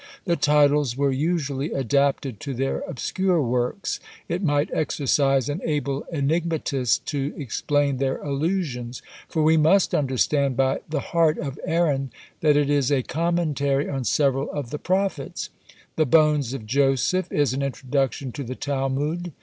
The titles were usually adapted to their obscure works. It might exercise an able enigmatist to explain their allusions; for we must understand by "The Heart of Aaron," that it is a commentary on several of the prophets. "The Bones of Joseph" is an introduction to the Talmud.